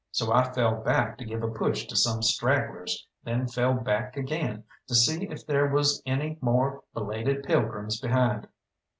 So I fell back to give a push to some stragglers, then fell back again to see if there was any more belated pilgrims behind.